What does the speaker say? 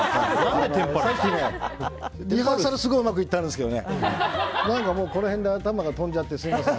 さっきね、リハーサルすごくうまくいったんですけど何かこの辺で頭が飛んじゃってすみません。